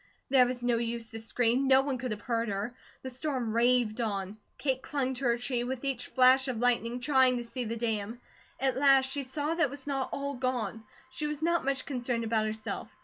There was no use to scream, no one could have heard her. The storm raved on; Kate clung to her tree, with each flash of lightning trying to see the dam. At last she saw that it was not all gone. She was not much concerned about herself.